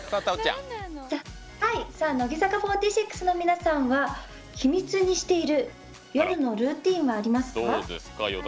乃木坂４６の皆さんは秘密にしている夜のルーティンはありますか？